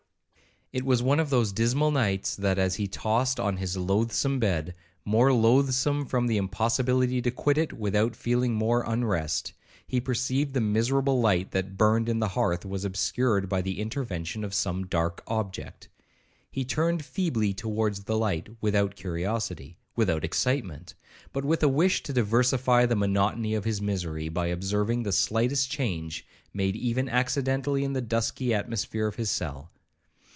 It was one of those dismal nights, that, as he tossed on his loathsome bed,—more loathsome from the impossibility to quit it without feeling more 'unrest,'—he perceived the miserable light that burned in the hearth was obscured by the intervention of some dark object. He turned feebly towards the light, without curiosity, without excitement, but with a wish to diversify the monotony of his misery, by observing the slightest change made even accidentally in the dusky atmosphere of his cell.